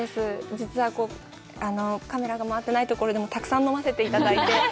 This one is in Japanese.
実はカメラが回ってないところでも、たくさん飲ませていただいて。